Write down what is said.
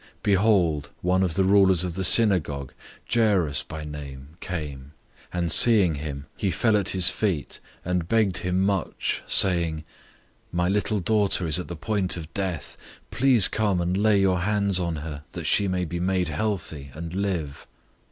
005:022 Behold, one of the rulers of the synagogue, Jairus by name, came; and seeing him, he fell at his feet, 005:023 and begged him much, saying, "My little daughter is at the point of death. Please come and lay your hands on her, that she may be made healthy, and live."